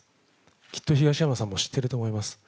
きっと東山さんも知ってると思います。